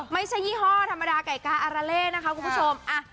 ไม่ใช่ยี่ห้อธรรมดาไก่กาอาระเละนะคะคุณผู้ชม